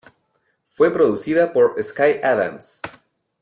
Fue producida por Sky Adams.